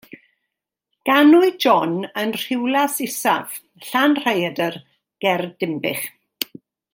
Ganwyd John yn Rhiwlas Isaf, Llanrhaeadr, ger Dinbych.